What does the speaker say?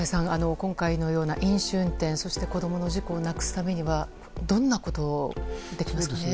今回のような飲酒運転そして子供の事故をなくすためにはどんなことができますかね。